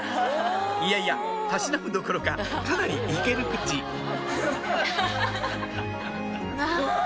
いやいやたしなむどころかかなりイケる口あ！